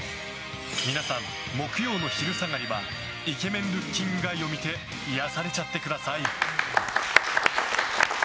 皆さん、木曜の昼下がりはイケメン・ルッキング・ガイを見て癒やされちゃってください。